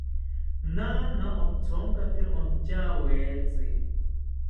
Naana othonkakiro ontyawetzi